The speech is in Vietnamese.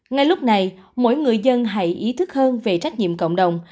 ngay lúc này mỗi người dân hãy ý thức hơn về trách nhiệm cộng đồng